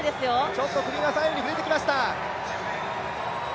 ちょっと首が左右に振れてきました。